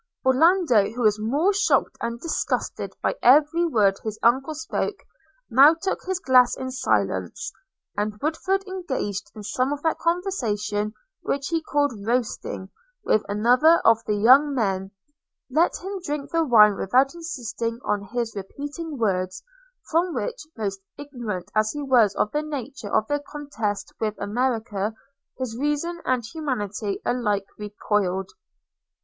Orlando, who was more shocked and disgusted by every word his uncle spoke, now took his glass in silence; and Woodford, engaged in some of that conversation which he called roasting, with another of the young men, let him drink the wine without insisting on his repeating words, from which, almost ignorant as he was of the nature of the contest with America, his reason and humanity alike recoiled.